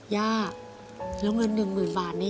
ย่าแล้วเงินหนึ่งหมื่นบาทนี้